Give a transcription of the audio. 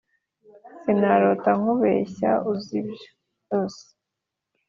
Sinarota nkubeshya uzi byose